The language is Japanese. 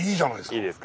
いいですか？